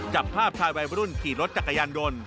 จับภาพชายวัยรุ่นขี่รถจักรยานยนต์